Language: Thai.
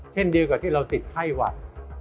เช่นเดียวกับที่เราติดไข้หวัด